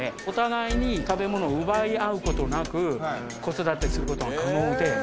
お互いに食べ物奪い合うことなく子育てすることが可能で。